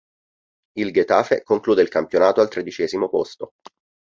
Il Getafe conclude il campionato al tredicesimo posto.